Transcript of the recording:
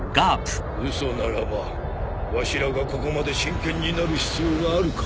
嘘ならばわしらがここまで真剣になる必要があるか？